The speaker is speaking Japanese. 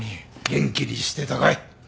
元気にしてたかい？